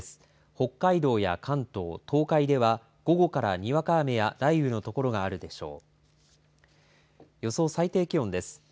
北海道や関東、東海では午後からにわか雨や雷雨のところがあるでしょう。